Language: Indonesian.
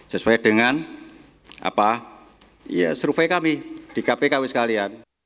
sesuai dengan apa ya survei kami di kpku sekalian